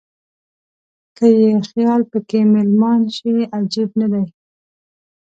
که یې خیال په کې مېلمان شي عجب نه دی.